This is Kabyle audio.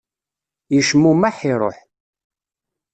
Yecmumeḥ, iruḥ.